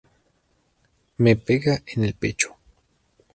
Me pega en el pecho.